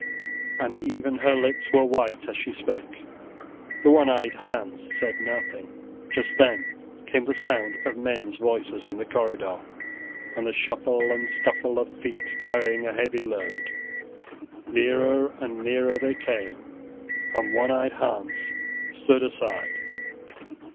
and even her lips were white as she spoke. The one eyed Hans said nothing. Just then came the noise of men s voices in the corridor and the shuffle and scuffle of feet carrying a heavy load. Nearer and nearer they came, and one eyed Hans stood aside.